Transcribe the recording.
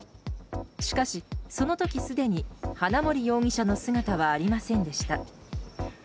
しかし、その時すでに花森容疑者の姿はありませんでした。